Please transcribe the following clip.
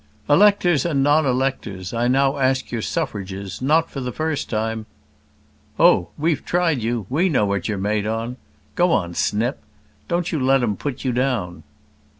"Electors and non electors, I now ask your suffrages, not for the first time " "Oh! we've tried you. We know what you're made on. Go on, Snip; don't you let 'em put you down."